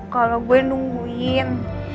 kalau gue nungguin